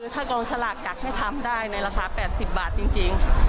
ถ้ากองสลากอยากให้ทำได้ในราคา๘๐บาทจริง